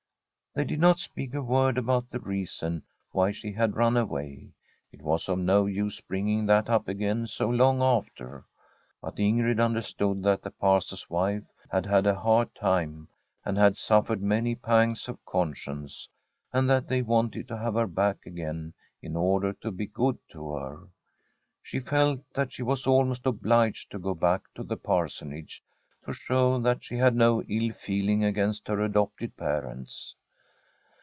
They did not speak a word about the reason why sne had run away. It was of no use bring [1031 Fnm s SWEDISH HOMESTEAD ing that up again so long after. But Ingrid mi derstood that the Pastor's wife had bad a hard time, and had suffered many pangs of conscience, and that they wanted to have her back again in order to be good to her. She felt that she was almost obliged to go back to the Parsonage to show that she had no ill feeling against her adopted parents.